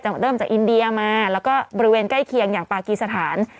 เริ่มจากอินเดียมาแล้วก็บริเวณใกล้เคียงอย่างปากีสถาน